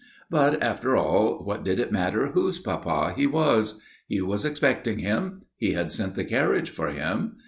But, after all, what did it matter whose papa he was? He was expecting him. He had sent the carriage for him.